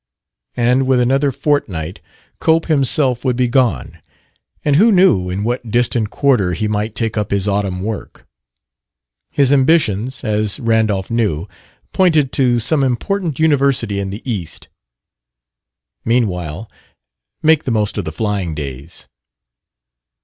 And with another fortnight Cope himself would be gone; and who knew in what distant quarter he might take up his autumn work? His ambitions, as Randolph knew, pointed to some important university in the East. Meanwhile, make the most of the flying days.